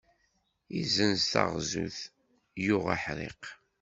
Izzenz taɣzut yuɣ aḥṛiq.